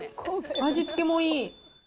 味付けもいい！